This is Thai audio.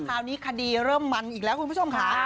คราวนี้คดีเริ่มมันอีกแล้วคุณผู้ชมค่ะ